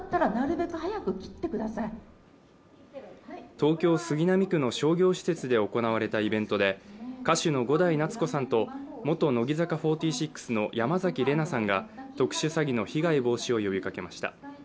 東京・杉並区の商業施設で行われたイベントで歌手の伍代夏子さんと元乃木坂４６の山崎怜奈さんが特殊詐欺の被害防止を呼びかけました。